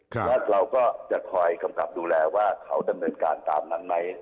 แล้วเราก็จะคอยกำกับดูแลว่าเขาดำเนินการตามนั้นไหม